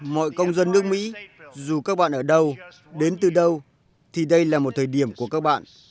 mọi công dân nước mỹ dù các bạn ở đâu đến từ đâu thì đây là một thời điểm của các bạn